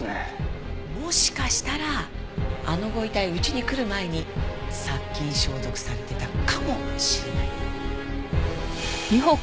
もしかしたらあのご遺体うちに来る前に殺菌消毒されてたかもしれない。